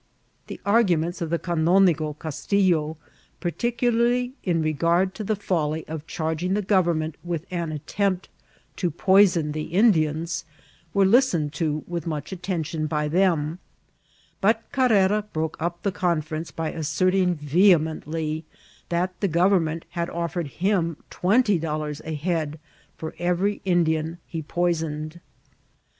The arguments of the Canonigo CastillO| particularly in regard to the folly of charging the gor* emment with an attempt to poison the Indians, wei^ listened to with much attention by them, but Carrera broke up the conference by asserting vehemently that the gOYcmment had offered him twenty dollars a head for every Indian he poismied.